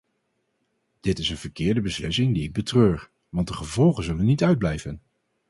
Dit is een verkeerde beslissing die ik betreur, want de gevolgen zullen niet uitblijven.